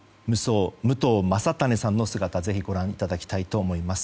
武藤将胤さんの姿ぜひ、ご覧いただきたいと思います。